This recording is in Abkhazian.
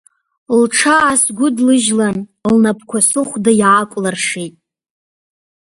Лҽаасгәыдлыжьлан, лнапқәа сыхәда иаакәлыршеит.